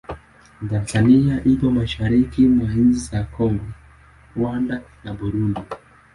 Tanzania ipo mashariki mwa nchi za Kongo, Rwanda na Burundi.